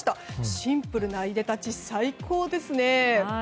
シンプルないでたち最高ですね。